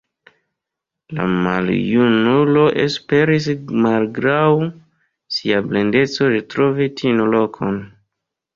La maljunulo esperis malgraŭ sia blindeco retrovi tiun lokon.